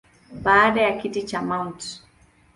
Baada ya kiti cha Mt.